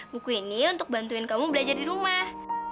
buku ini untuk bantuin kamu belajar di rumah